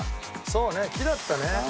そうね木だったね。